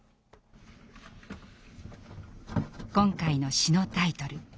今回の詩のタイトル